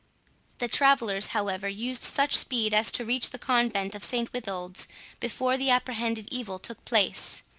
The travellers, however, used such speed as to reach the convent of St Withold's before the apprehended evil took place.